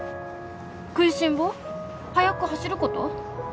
食いしん坊？速く走ること？